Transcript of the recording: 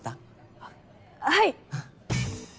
あっはい。